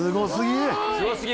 すごすぎ。